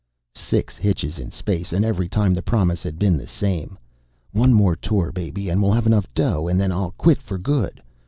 Six hitches in space, and every time the promise had been the same: _One more tour, baby, and we'll have enough dough, and then I'll quit for good.